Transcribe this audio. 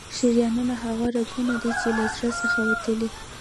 شریانونه هغه رګونه دي چې له زړه څخه وتلي.